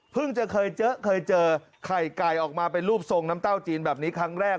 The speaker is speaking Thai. จะเคยเจอเคยเจอไข่ไก่ออกมาเป็นรูปทรงน้ำเต้าจีนแบบนี้ครั้งแรก